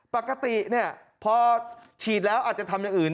ปกติพอฉีดแล้วอาจจะทำอย่างอื่น